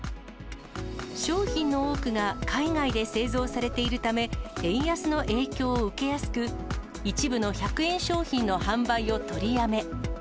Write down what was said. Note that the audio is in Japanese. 商品の多くが海外で製造されているため、円安の影響を受けやすく、一部の１００円商品の販売を取りやめ。